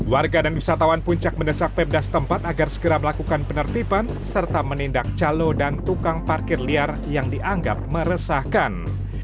warga dan wisatawan puncak mendesak pemda setempat agar segera melakukan penertiban serta menindak calo dan tukang parkir liar yang dianggap meresahkan